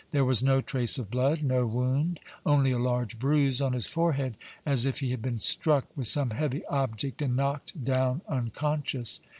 There was no trace of blood, no wound; only a large bruise on his forehead, as if he had been struck with some heavy object and knocked down unconscious.